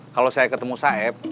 kalau saya ketemu saeb